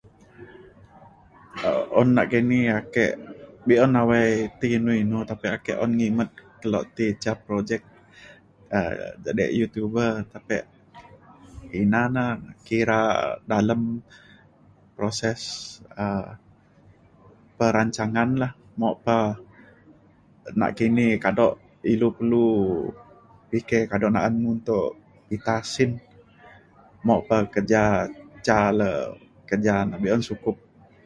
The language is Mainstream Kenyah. Un nakini ake bek un awai ti inou - inou tapi ake un ngimet kelo ti ca projek um jadek YouTuber, tapek ina na kira dalem proses um perancangan la mok pa nakini kado ilu perlu fikir kado na'an tuk pitah sin mok pa kerja ca na bek un sukup